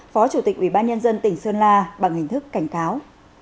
phó chủ tịch ủy ban nhân dân tỉnh sơn la bằng hình thức cảnh cáo